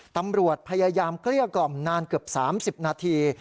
ตำรวจพยายามเกลี้ยกล่อมนานเกือบ๓๐นาที